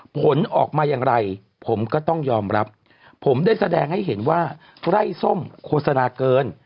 ผลออกมาอย่างไรผมก็ต้องยอมรับผมได้แสดงให้เห็นว่าไร้ส้มโฆษณาเกิน